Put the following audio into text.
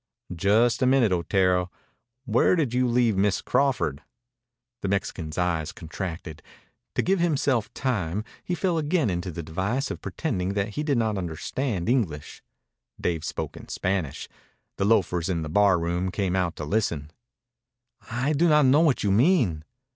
"Just a minute, Otero. Where did you leave Miss Crawford?" The Mexican's eyes contracted. To give himself time he fell again into the device of pretending that he did not understand English. Dave spoke in Spanish. The loafers in the bar room came out to listen. "I do not know what you mean."